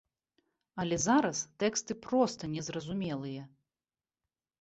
Але зараз тэксты проста незразумелыя.